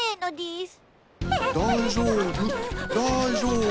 大丈夫。